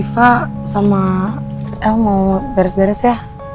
riffa sama elma mau baris baris ya